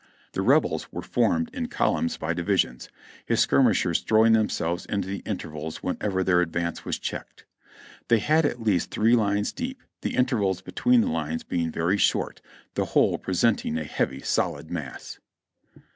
The Rebels were formed in col umns by divisions; his skirmishers throwing themselves into the intervals whenever their advance was checked. They had at least three lines deep, the intervals between the lines being very short, the whole presenting a heavy, solid mass."